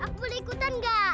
bapak boleh ikutan enggak